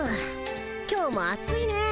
今日も暑いねえ